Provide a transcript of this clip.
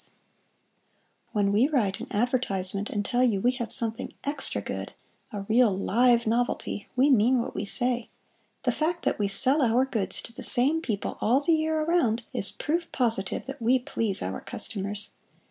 When we write an advertisement and tell you we have something extra good—=a real LIVE novelty=—we mean what we say. The fact that we sell our goods to the same people all the year around is proof positive that we please our customers.